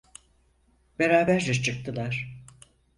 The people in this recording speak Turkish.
Beraberce çıktılar.